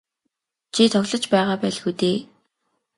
Чи тоглож байгаа байлгүй дээ.